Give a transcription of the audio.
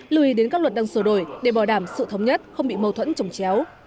lưu ý đến các luật đang sửa đổi để bảo đảm sự thống nhất không bị mâu thuẫn trồng chéo